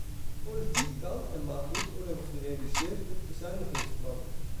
Politiek kan en mag niet worden gereduceerd tot bezuinigingsplannen.